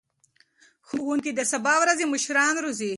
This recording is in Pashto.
ښوونکي د سبا ورځې مشران روزي.